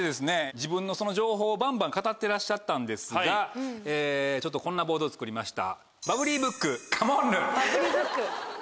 自分のその情報をバンバン語ってらっしゃったんですがちょっとこんなボードを作りました。